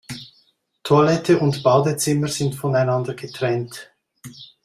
Toilette und Badezimmer sind voneinander getrennt.